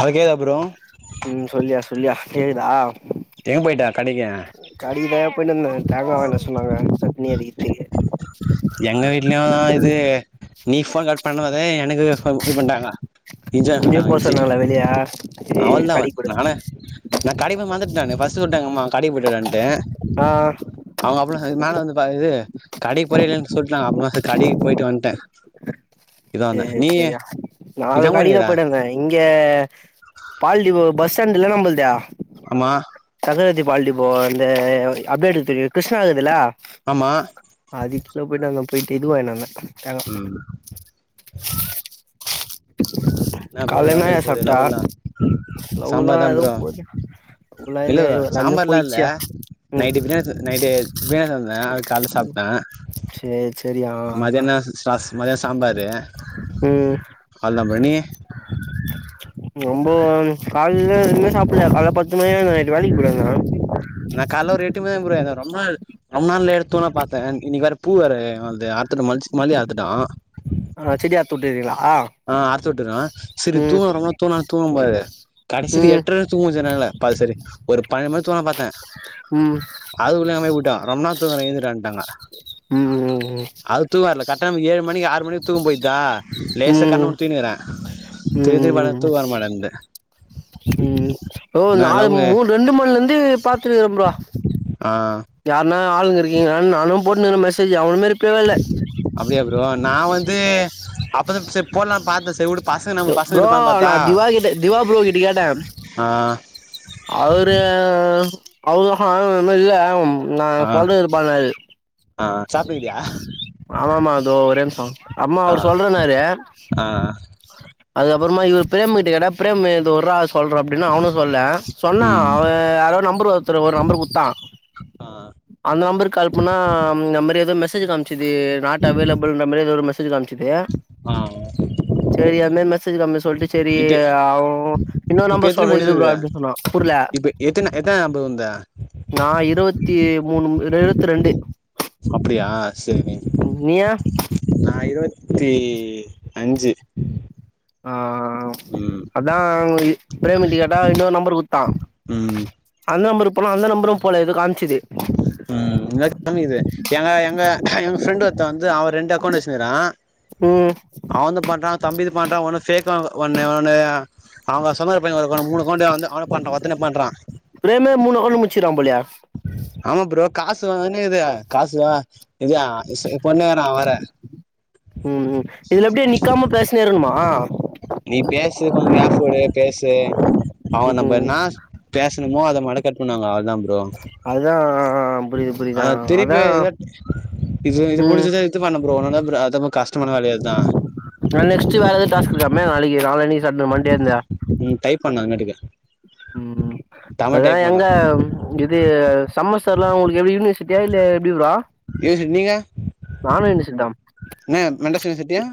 Hi [unintelligible] அப்புறோ ம் சொல்லுயா சொல்லுயா கேக்குதா எங்க போய்ட்ட கடைக்கா கடைக்கு தா போயினு வந்தே தேங்கா வாங்க சொன்னாங்க சட்னி அறைக்குறதுக்கு எங்க வீட்லயு இது நீ போன் கட் பண்ணதும் எனக்கு இது பண்ட்டாங்க இஞ்சி வாங்க சொல்லிட்டாங்க இஞ்சு போலியா அவ்ளோதா நானே நா கடைக்கு வந்துட்டே நானு பர்ஸ்ட் ஒரு டைம் எங்க அம்மா கடைக்கு போயிட்டு வரையான்ட்டு ஆ அவுங்க [unintelligible] மேல வந் தாவது கடைக்கு போறயா இல்லயானு சொல்ட்டு நா அப்புறமா கடைக்கு போயிட்டு வன்ட்டே சேரி சேரி யா நானு இதா கடைக்கு பண்ணிருக்கிற போய்ட்டு வந்தே இங்க பால் டிப்போ பஸ் ஸ்டாண்டு்துல நம்மழுது ஆமா பகவதி பால் டிப்போ இந்த அட்வகேட்க்கு தெரியு கிருஷ்ணா இருக்குதுல ஆமா அதுக் கீழ போயிட்டு அங்க போயிட்டு இது வாங்கினு வந்தே தேங்கா ம் என்ன ப்ரோ காலைல லவ்லா என்னாயா எப்டி போது சாப்ட்ட லவ்வெல்லா லவ்லா சாம்பார் தா எதோ ப்ரோ போது லவ்லா இல்லையா தலைவா எல்லாமே சாம்பார்லா இல்ல போயிடுச்சுயா ம் நைட்டு பிரியா நைட்டு பிரியானி வந்தேன் அது காலைல சாப்ட்டே சேரி சேரியா மதியான மதியோ சாம்பாரு ம் அவ்ளோதா ப்ரோ நீ நம்போ காலைல ஒண்ணுமே சாப்பிடல காலைல பத்து மணி நைட்டு வேலைக்கு போயிட்டே ப்ரோ நா காலைல ஒரு எட்டு மணி [unintelligible] ரம்னான்ல எடுத்தோன்ன பாத்தே இன்னைக்கு வேற பூ வேற அது அறுத்துட்டு மந்த்ஸ் மேல ஆகுதா ஆ செடிய அறுத்து விட்ருக்கீங்களா ஆ அறுத்து விட்றுவே சேரி துங்க வரும் போது தூங்குனாலு தூங்க முடியாது கடசில ம் எட்ரை வர தூங்கச்சொன்னாங்க சாரி சாரி ஒரு ஃபைவ் மினிட் தூங்கலானு பாத்தே ம் அதுக்குள்ளயமே போயிட்டா ரொம்ப நேரோ தூங்குறா எழுந்துரானுட்டாங்க ம் ஓ ஓ தூக்க வர்ல கரெக்ட்டா இந்த ஏழு மணி ஆறு மணிக்கு தூக்கோ போயிடுதா லேசா கண்ண ம் மூடி தூங்கிறே தூங்கி தூங்கி பாத்தாலு ம் தூக்கோ வர மாட்டேங்குது ம் ஓ நாலு மூணு ரெண்டு மணில இருந்து பாத்துனுக்கிறே ப்ரோ ஆ யாருன்னா ஆளுங்க இருக்கீங்களா நானு போட்டுனுக்கிறே மெசேஜு எவனுமே ரிப்லேவே இல்ல அப்டியா ப்ரோ நா வந்து அப்பதா சேர் போடாலாம் பாத்தே சேர் விடு பசங்க நம்ம பசங்க ப்ரோ இருப்பாங்கனு நா பாத்தா திவா கிட்ட திவா ப்ரோ கிட்ட கேட்டே ஆ அவரு ஆ ஆ இல்ல நா ஆ சொல்றது இருப்பாங்க அது ஆ சாப்டுருக்கியா ஆமாமா அது ஒரேநிம்சோ அம்மா ஆ அவரு சொல்றேனாரு ஆ அதுக்கப்புறமா இவர் ப்ரேம் கிட்ட கேட்டா ப்ரேம் து ஒர்ரா சொல்ற அப்டின்னு அவனு சொல்லல சொன்னா ம் அவ அ யாரோ நம்பர் ஒருத்தரு ஒரு நம்பர் குத்தா ஆ அந்த நம்பருக் கால் பண்ணா இந்த மாரி ஏதோ மெசேஜ் காம் ச்சுது நாட் அவைலபிள்ன மாரி ஏதோ ஒரு மெசேஜ் காம்ச்சுது ஆ சேரி அந்த மெசேஜ் [unintelligible] சொல்ட்டு சேரி இப்ப அவ இன்னொரு இப்ப நம்பர் எத்தன சொல்ற முடிஞ்சது இதிலிருந்து கால் பண்ண சொன்னா புர்ல இப்ப எத்தன எத்தன [unintelligible] வந்த நா இருவத்தி மூண் மு இருவத்தி ரெண்டு அப்டியா சேரிங்க நீயா நா இருவத்தி அஞ்சு ஆ ஆ ஆ ம் அதா ப்ரேம் ட்ட கேட்டா இன்னொரு நம்பர் குத்தா ம் அந்த நம்பர்க்கு போனா அந்த நம்பரு போல எதோ காம்ச்சுது ம் [inaudible] எங்க எங்க எங்க ஃப்ரெண்ட் ஒருத்த வந்து அவ ரெண்டு அக்கௌண்ட் வெச்சுன்ருக்கறா ம் அவுன்து பாத்தா தம்பிது பாத்தா ஒன்னு ஃபேக்கா ஒன்னே ஒன்னு அவங்க சம ப மூணுண்ட வந்து அவ பண்றா வத்தனனை பண்றா ப்ரேமே மூணு கோல் முச்சிட்டா பேலியே ஆமா ப்ரோ காசு வந்துனே இக்து காசு இத ஒட்னே நா வரே ம் ம் இதுல அப்டியே நிக்காம பேசினே இருக்ணுமா நீ பேசு கொஞ்ச [unintelligible] பேசு அவ நம்ம ம் என்னா பேசணுமோ அத மட்டு கட் பண்ணுவாங்க அவளதா ப்ரே அதுதா [unintelligible] அத திருப்ப இது இது ம் புடிச்சதா இது பண்ண ப்ரோ [unintelligible] கஷ் [unintelligible] நா நெக்ஸ்ட்டு வேறத டாஸ்க் இருக்காமே நாளைக்கு நாளானைக்கு [unintelligible] மண்டே இந்த ம் டைப் பண்ணா அங்கேட்டுக்கு ம் அதா எங்க இது செமஸ்டர்லா உங்குளுக் எப்டி யூனிவர்சிட்டியா இல்ல எப்டி ப்ரோ [inaudible] நீங்க நானு யுனிவர்சிட்டி தா என்ன மெண்டஸ் யூனிவர்சிட்டியா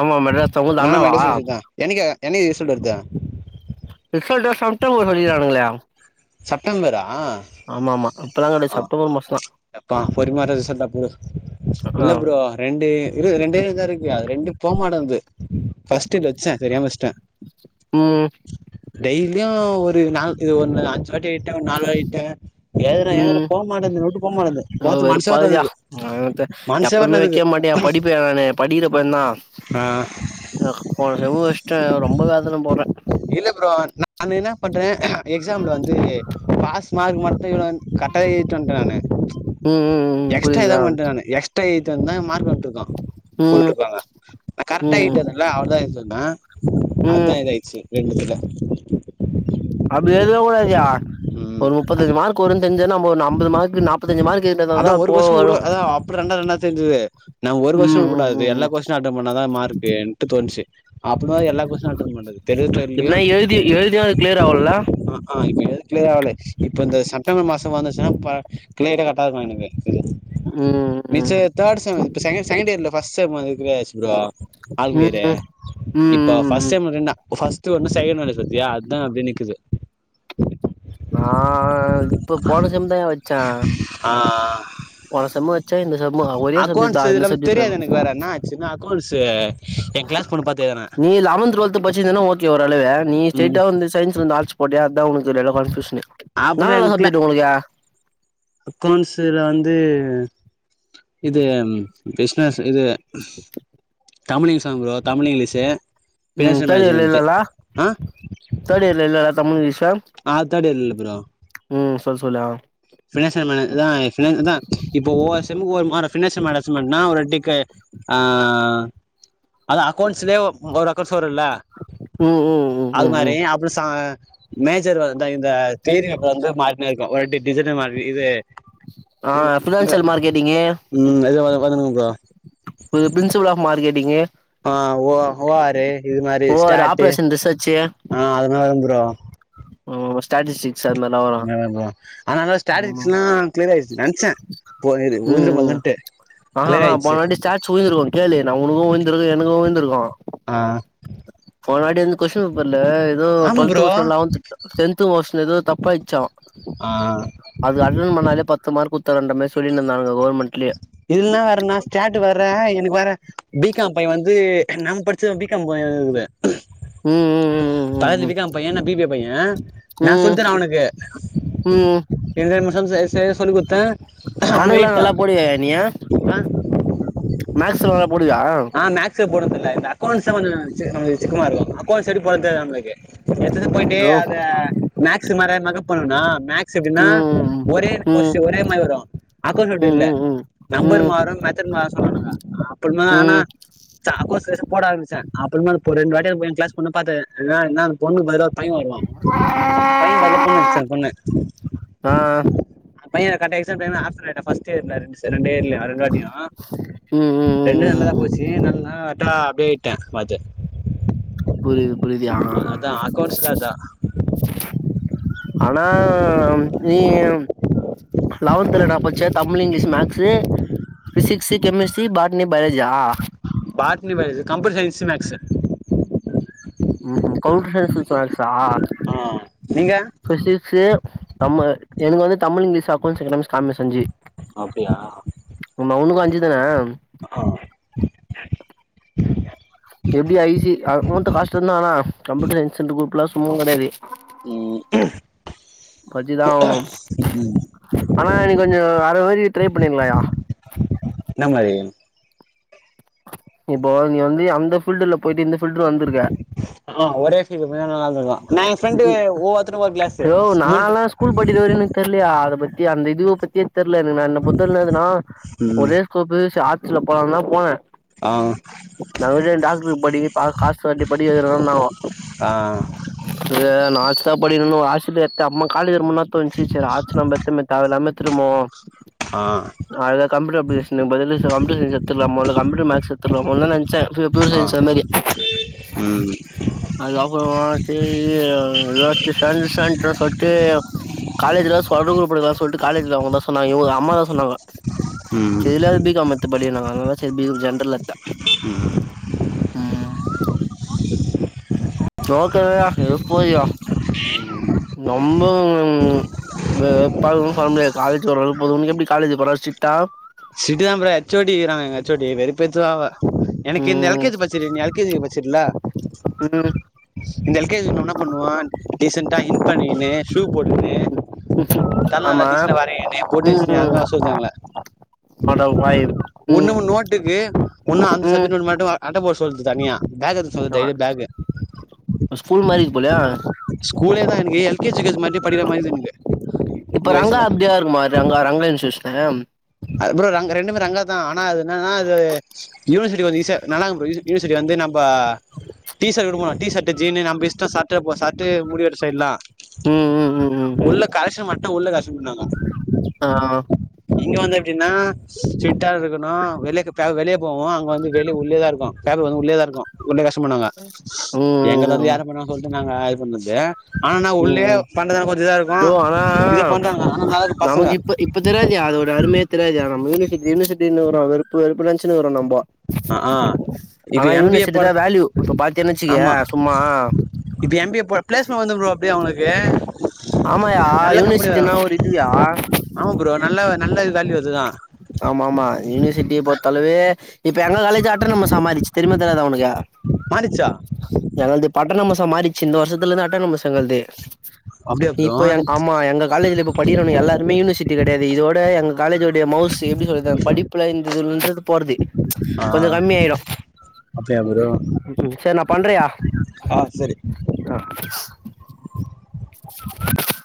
ஆமா மெட்ராஸ் உங்கள்து நா அண்ணாவா மெண்டஸ் யூனிவர்சிட்டி தா என்னிக்கு என்னிக்கு ரிசல்ட் வருது ரிசல்ட் தா செப்டெம்பர் சொல்லிர்கானுகளோ செப்டெம்பரா ஆமா ஆமா இப்பல்லா கெடையாது ஆ செப்டம்பர் மாசந்தா [unintelligible] ரிசல்ட் டா ப்ரோ ஆ இல்ல ப்ரோ ரெண்டு இரு ரெண்டே இதுதா இருக்கு அது ரெண்டு போமாட்டேங்து ஃபர்ஸ்ட் எய்ட் வெச்சே தெரியாம வெச்ட்டே ம் டெய்லியு ஒரு நா ஒன்னு அஞ்சு வாட்டி எழுட்டே ஒன்னு நாலு வாட் எழிட்டே எழுதறே எழுதறே வரல வெறுப்பாகுதுடா அதுக்கு மனசே வரல எப்பவுமே அதுக்கு வெக்க மாட்டயா படிப்பு நானு படிக்கிற பைய ஆஹ் தா போன செம்மு வெச் இல்ல ப்ரோ நா என்ன பண்றே எக்ஸாம்ல வந்து பாஸ் மார்க் மட்டும் இவ்ளன் கர்ட்டா எயிட்டு வன்டே நானு ம் ம் ம் எக்ஸ்ட்டா புரியுதா எதம் பண்டே நானு எக்ஸ்ட்டா எயித்து வந்தேன் மார்க்கு வரட்டு னா ம் போட்டுருக்காங்க நா கரட்டா ம் எயிட்டு வந்தேல்ல அவுள்தா எயிட்டு வந்தே அத்தா ம் இதாயிச்சி ரெண்டு இதுல அப்டி எயிதுவே கூடாதுயா ம் ஒரு முப்பத்தஞ்சு மார்க்கு வரூன் தெர்ஞ்சா நம்பே ஒருன்னு ஐம்பது மார்க்கு நாப் அதா ஒரு கொஸ்ஸின் கூட அதா அப்றோ ரெண்டாவது ரெண்டாவது தெர்ஞ்சிது நம் ஒரு ம் ம் கொஷின்உடக்கூடாது ம் எல்லா ம் கொஷினு அட் டன் பண்ணாதா மார்க்கேன்ட்டு தோண்ச்சு அப்படா எல்லா கொஷினு அட்டன் பண்ணது தெர்தோ தெரிலியோ இப்டினா எழுதி எழுதியு அது கிளியர் ஆவுல்ல அ ஆ இப்ப எதுக் கிளியர் ஆளு இப்ப இந்த செப்டம்பர் மாசோ வந்துச்சுனா பா கிளியேரா கட்டாகோருக்கு எனுக்கு ம் [inaudible] ம் நிச்சயேத்தேர்டு செம் இப்ப செகண்டு செகண்ட் இயர்ல ஃபஸ்டு செம் இதுவாச்சு புரோ ம் ஆள்கிளியறு ம் ம் இப்ப ம் ஃபஸ்ட் ம் டெம் கென்னா ஃபஸ்ட்டு ஒண்ணு செகண்ட் ஒண்ணு சத்தியா அத்தா அப்டியே நிக்குது நா இப்போ போன செம்தாயா வெச்சே ஆ போன செம்மு வெச்சே இந்த செம்மு ஒரே சப்ஜெக்ட் தா இந்த சப்ஜெக்ட் வேணு சின்ன அக்கோன்சு எ க்ளாஸ் பொண்ணு பாத்து எதுனே நீ லெவன்த்து டுவல்த்து பச்சிந்தனா ஓக்கே ஓரளவு நீ ம் ஸ்டெய்ட்டா வந்து சயின்ஸ்லந்து ஆர்ட்ஸ் போட்டியா அதா உனுக்கு இதுல எல்லா கன்பியுஸ்னு இன்னாலா சப்ஜெட்டு உங்ளுக்கே அக்கௌண்சுல வந்து இது பிஸ்னஸ் இது தமிழிங்லீஸ் தா புரோ தமிழ் இங்லீஷு ம் பினான்ஸியல் மேனேஜ்மெண்ட்டு ஆ தேடு இயர்ல இல்ல தமிழ் இங்லீஷா ஆ தேடு இயர்ல்ல இல்ல ப்ரோ உம் சொல்லு சொல்லு ஆ ஃப்னான்சியன் மேனேஜ்தா இதா இப்போ ஒவ்வாரு செம் ஒவ்வாரு மாட ஃப்னான்சிய மேடசிம்மெட்ன்னா ஒருஓர் டிக்கு ஆ அதா அக்கோண்ட்ஸ்லே ஒரு அக்கௌண்ட்ஸ் வருல்ல உம் ம் ம் அது மாரி ம் அப்றோ சா மேஜர் வர்தா இந்த த்யரி அப்ப வந்து மாட்டினுருக்கோ ஒரு ட்ரிப் டிசன்ட மாரி இது ஆ ஃபினான்சியல் மார்க்கெட்டிங்கு உம் அது வேற ஒக்காந்துனுக்கு ப்ரோ புது பிரின்சிபல் ஆஃப் மார்க்கெட்டிங்கு ஆ ஓ ஓ ஆர் இது மாரி ஸ்டாட்டு ரிசச்சு ஆ அதுனாலு ப்ரோ ஓ ஸ்டாட்டசிக்ஸ் அது மார் நேவர் ப்ரோ அத்னால ஸ்டாட்டஜிக்ஸ்லா கிளியர் ஆயிச்சி நென்ச்சே போனீரு ஊந்து மந்துன்ட்டு ஆஹ் ஹா ஹா போனவாட்டி ஸ்டாச்சு உயிந்திருக்கு கேளு நா உனக்கோ உயிந்துருக்கு எனக்கு உய்ந்துருக்கு அ போனவாட்டி வந்து கொஷின் பேப்பர்ல ஏதோ ஆமா twelfth bro question eleventh tenth கொஷின்ல ஏதோ தப்பாயிச்சா ஆ அது அட்டன் பண்ணாலே பத்து மார்க் குத்தாங்கன்ற மாரி சொல்லின்னுந்தாங்க கவுர்மெண்ட்லியே இதுனலா வருன்நா ஸ்டெட்டுகு வர்றே எனுக்கு வேற பி காம் பைய வந்து நம் படிச்ச பி காம் பைய இருக்கு [unintelligible] ம் ம் ம் ம் பக்கத்துல ம் பீ காம் பைய நா பி பி எ பையே நா ம் சொல்த்தரே அவ்னுக்கு ம் ம் எந்த நிமிஷமு சேரி சேரி எ சொல்லி குத்தே அவ கணக்குலா எயின்ட் தா நல்லா போடுவாயாயா நீ மேக்ஸ்சு நல்லா போடுவியா ஆ மேக்ஸ்சூ போடுறதுல்ல இந்த அக்கௌண்ட்ஸ் தா கொஞ்சோ சே நம்மளுக்கு சிக்கமா இருக்கு அக்கௌண்ட்ஸ் சயிடு போற தெரியு நம்மளுக்கு எத்தது போயிட்டு அத மேக்ஸ் மாற மக்கப் பண்ணுனா மேக் ஸ் எப்டினா ம் ஒரே ம் போஸு ஒரே மாரி வரு அக்கௌண்ஸ் அப்டி ம் இல்ல ம் ம் நம்பர் ம் மாறு மெத்தர்டு மாறு சொல்றாங்கள அப்டினா ஆனா ம் சாக்கோஸ் வேஷோ போட ஆரம்பிச்சே அப்றோமா போ ரெண்டு வாட்டி எ கிளாஸ் பொண்ண பாத்தே எனா அந்த பொண்ணுக்கு பதிலோ பையே வருவா பையே பதிலா பொண்ணு வந்துச்சு அந்த பொண்ணு ஆ பையே கட் ஆயிச்சா தெரியுமா ஹாஸ்பிடல் இல ஃபஸ்ட்டே இருந்தாருனு சொல்லிட்டே இருந்தே வர காட்டியு ம் ம் ம் ரெண்டுமே ம் ம் நல்லதா ம் போச்சு நல்லா அட்டா அப்டியே ஆயிட்டே பாத்து புரியுது புரியுதுயா ஆ ஆ அதா ஆ அக்கௌண்ட்ஸ்ல அதா ஆனா நீங்க லெவன்த்ல நா படிச்சே Tamil English maths physics chemistry botany பயாலஜியா botany biology computer science maths ம் ஹும் கம்பியூட்டர் சயின்ஸ் வித் மேக்ஸ் ஆ ஆ நீங்க பிசிக்ஸ் தம் எனக்கு வந்து Tamil English accounts economics commerce அஞ்சு அப்டியா ஆமா உனுக்கு அஞ்சு தான ஆ எப்டி ஐ சி அமௌண்ட் காஷ்ட தான கப்யூட்டர் சயன்ஸ் அண்ட் குரூப்லா சும்மா கெடையாது ம் படிச்சுதா ஆகணு ம் ஆனா நீ கொஞ்சோ வேற மாரி ட்ரை பண்ணிருக்லாயா என்ன மாரி இப்போ நீ வந்து அந்த ஃபீல்டுல போயிட்டு இந்த ஃபீல்டுல வந்திருக்க ஆ ஒரே ஃபீல்டு வேனுனா ஆமா நா எ ஃப்ரெண்டு ஒவ்வொத்தரு ஒரு கிளாஸு மூணு பேர் தெரியலையா அத பத்தி அந்த இதுவ பத்தியே தெர்ல நா என்ன பொறுத்த வரையுலு எதுனா ம் ஒரே சோ பெருசு ஆட்ஸ்ல போலான் தா போனே ஆ நாங்க ஏ டாக்டருக்கு படிக்க பா காசு கட்டி படிக்க வக்கிறோனாங்கோ ஆ அது நாச்ச்தா படிக்கன்னு ஒரு ஆசிரியர்ட அம்மா காலேஜ் முன்னாத்த ஒன்ச்சிச்ச ஆச்சு நம்ப திரும்ப தேவ இல்லாம திரும்பவு ஆ அதா கம்ப்யூட்டர் அப்ளிகேஷனுக்கு பதிலா சோ கம்யூட்டர் சயின்ஸ் எடுத்துர்லா போல கம்யூட்டர் மேக்ஸ் எடுத்துர்லா போலானு தா நெனச்சே பியூர் ஆ சயின்ஸ் அது மாரி ம் அதுக்கப்பறோ தி எதாச்சு சேண்டு பேண்ட் சர்டு காலேஜ்லா சொல்ற குரூப்பு எடுக்கலா சொல்ட்டு காலேஜ்ல அவுங்க தா சொன்னாங்க இவுங்க அம்மா தா சொன்னாங்க ம் செரி இதுல யாது பி. காம்மு எடுத் மத்த படி நா அதுல தா பி ஜென்ரல் எடுத்தே ம் ஓகேயா இது போதுயா ரொம்பவு ம்ம பறக்கனு சொல்ல முடியாது காலேஜ் ஓரளவுக்கு போது உனக் எப்டி காலேஜ் போறது ஸ்ட்ரிட்டா ஸ்ட்ரிட்டா தா ப்ரோ ஹெச் ஓ டி இருகுறாங்க எங்க ஹெச் ஓ டி வெறுப்பேத்துவா அவ எனக்கு இந்த எல் ம் கே ஜி படிச்சினு இருந்தியே எல் கே ஜி க்கு படிச்சிடல ம் இந்த எல் கே ஜி என்ன பண்ணுவா டீசண்டா இன் பண்ணினு ஷூ போட்டுக்கினு தல நல்லா ஆமா டீசென்டா வரைக்கினு பொட்டு வச்சுக்கினு அது ம் மாரி வர சொல்லிருக்காங்களே [unintelligible] ஒன்னு நோட்டுக்கு ஒன்னு அந்த சப்ஜட் ம் நோட் மட்டு அட்ட போட சொல்து தனியா பேக ஆ ஆ ஸ்கூல் மாரிக்கு போல ஸ்கூலே தா எனக்கு L K G U K G மாரி படிக்கிற மாரி தெரிது இப்ப ரங்கா அப்டியா இருக்குமா ரங்கா ரங்கா இன்ஸ்டியூசனு அது ப்ரோ ரங்கா ரெண்டுமே ரங்கா தா ஆனா அது என்னனா அது யூனிவர்சிட்டி ஒரு ரீச் நல்லாருக்கு யூ யூனிவர்சிட்டி வந்து நம்ப டீஷர்ட் குடுக்கமா டீஷர்ட்டு ஜீனு நம்ப இஷ்ட சட்ட சட்டை முடி எடுக் ஸடைல்லா ம் ம் ம் ம் ம் உள்ள கரக்ஷன் மட்டு உள்ள கரக்ஷன் பன்னுவாங்க ஆ இங்க வந்து எப்டின்னா ஸ்டிர்ட்டா இருக்கணு வெளிய்க்கப்ப வெளியே போவோ அங்க வந்து வெளிய உள்ளே தா இருக்கு பேப்பர் வந்து உள்ளேதா இருக்கு உள்ளே கஷ்ட பண்ணாங்க ம் எங்கள ம் வந்து ம் யார பண்ணா சொல்ட்டு நாங்க இது பண்ணது ஆனா உள்ளயே ம் சண்டதா கொஞ்ச நேர ப்ரோ ஆனா பசங்க நமக்கு இப்ப இப் இப்ப தெரியாதுயா அதோட அருமயே தெரியாதுயா நம்ம யூனிசிட்டி யூனிசிட்டினு ஒரு வெறுப்பு வெறுப்புச்சினு இரோ நம்போ ஆ ஆ இப்ப ஆனா எம் பி ஏ யூனிவர்சிட்டி போட தா வேல்யூ இப்ப பாத்தின்ன வச்சிக்கய ஆமா சும்மா இப்ப எம் பி ஏ போ ப்ளேஸ்மெண்ட் வந்துரு ப்ரோ அப்டியே அவுங்களுக்கு ஆமாயா நல்ல கம்பெனி யூனிவர்சிட்டினா வரு ஒரு இதுயா ஆமா ப்ரோ நல்ல நல்ல வேள்யூ அதுதா ஆமா ஆமா யூனிவர்சிட்டி பொறுத்தளவு இப்ப எங்க காலேஜ் அட்டனுமசா மாறிச்சி தெரியுமா தெரியாதா ஒனக்கு மாறிச்சா எங்களுது இப்ப அட்டாணமசா மாறிச்சி இந்த வருஷத்துலருந்து அட்டாணமஸ் எங்கள்து அப்டியா ப்ரோ இப்போ எ ஆமா எங்க காலேஜ்ல இப் படிக்கறவணுங்க எல்லாருமே யூனிசிட்டி கடையாது இதோட எங்க காலேஜோடய மவுஸ் இது எப்டி சொல்றது படிப்புல இந்ததுரு போறது ஆ கொஞ்சோ கம்மியாயிடு அப்டியா ப்ரோ செரி நா பண்றயா ஆ சரி ஆ